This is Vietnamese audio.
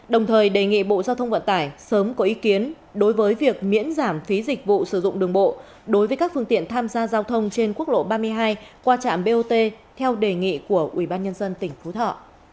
đồng thời đề nghị bộ giao thông vận tải sớm có ý kiến đối với việc miễn giảm phí dịch vụ sử dụng đường bộ đối với các phương tiện tham gia giao thông trên quốc lộ ba mươi hai qua trạm bot theo đề nghị của ubnd tỉnh phú thọ